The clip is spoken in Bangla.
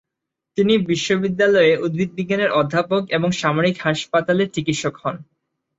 তিনি বিশ্ববিদ্যালয়ে উদ্ভিদবিজ্ঞানের অধ্যাপক এবং সামরিক হাসপাতালে চিকিৎসক হন।